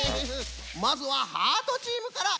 まずはハートチームから。